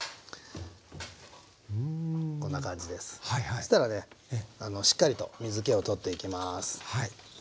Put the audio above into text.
そしたらねしっかりと水けを取っていきます。